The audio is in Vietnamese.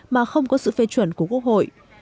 mà không có sự phê chuẩn của quốc hội